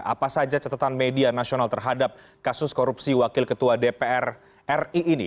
apa saja catatan media nasional terhadap kasus korupsi wakil ketua dpr ri ini